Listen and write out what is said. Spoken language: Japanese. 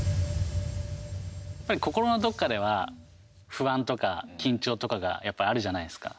やっぱり心のどっかでは不安とか緊張とかがやっぱあるじゃないですか。